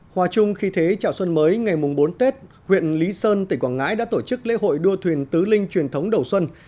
hòa chung khi thế chào xuân mới ngày bốn tết huyện lý sơn tỉnh quảng ngãi đã tổ chức lễ hội đua thuyền tứ linh truyền thống đầu xuân